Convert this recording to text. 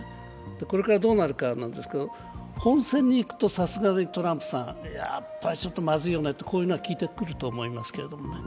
これからどうなるかなんですけど、本戦にいくとさすがにトランプさん、まずいよねっていうのは、こういうのは効いてくると思いますけどね。